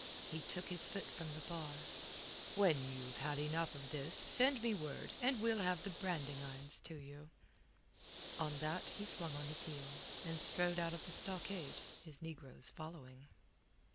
He took his foot from the bar. "When you've had enough of this, send me word, and we'll have the branding irons to you." On that he swung on his heel, and strode out of the stockade, his negroes following.